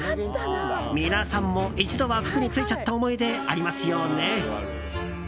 皆さんも一度は服についちゃった思い出、ありますよね。